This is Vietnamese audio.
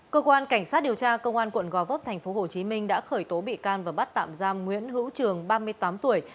cơ quan cảnh sát điều tra công an quận gò vấp tp hcm đã khởi tố bị can và bắt tạm giam nguyễn hữu trường ba mươi tám tuổi